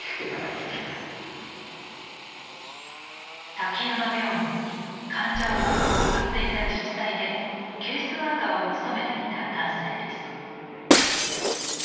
滝山病院に患者を多く送っていた自治体でケースワーカーを務めていた男性です。